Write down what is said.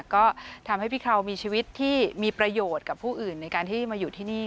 ก็ทำให้พี่เขามีชีวิตที่มีประโยชน์กับผู้อื่นในการที่มาอยู่ที่นี่